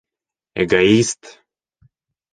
Эгоист!